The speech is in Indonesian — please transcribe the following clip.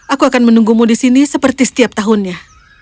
aku akan menunggumu di sini seperti setiap tahunnya